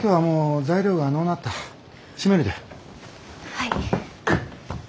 はい。